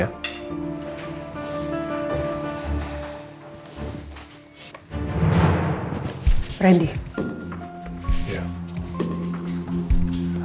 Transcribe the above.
pak aku mau pergi dulu